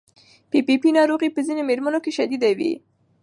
پي پي پي ناروغي په ځینو مېرمنو کې شدید وي.